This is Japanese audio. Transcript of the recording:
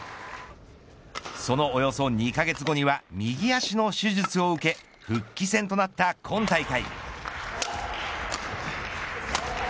そのおよそ２カ月後には右足の手術を受け復帰戦となった今大会。